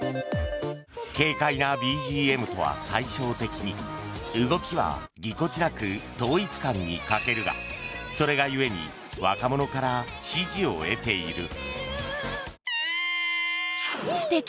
軽快なＢＧＭとは対照的に動きはぎこちなく統一感に欠けるがそれが故に若者から支持を得ている。